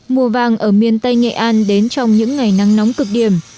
mùa vàng ở miền tây nghệ an đến trong những ngày nắng nóng cực điểm